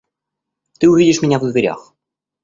Ты увидишь меня в дверях.